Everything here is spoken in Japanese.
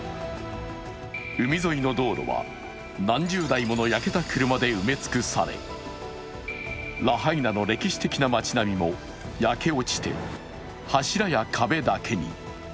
海沿いの道路は何十台もの焼けた車で埋め尽くされラハイナの歴史的な町並みも焼け落ちて、柱や壁だけに。